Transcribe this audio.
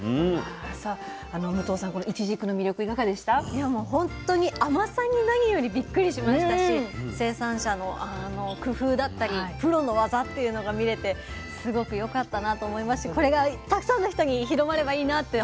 いやもうほんとに甘さに何よりびっくりしましたし生産者の工夫だったりプロの技っていうのが見れてすごくよかったなと思いましてこれがたくさんの人に広まればいいなって